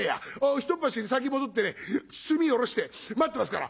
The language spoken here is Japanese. ひとっ走り先戻ってね墨おろして待ってますから。